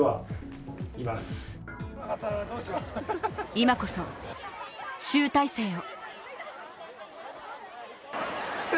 今こそ集大成を。